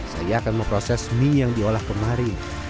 saya akan memproses mie yang diolah kemarin